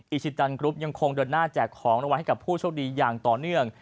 ชิตันกรุ๊ปยังคงเดินหน้าแจกของรางวัลให้กับผู้โชคดีอย่างต่อเนื่อง